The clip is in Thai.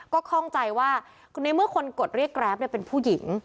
ก็คล่องใจว่าในเมื่อคนกดเรียกแกรปเป็นผู้หญิง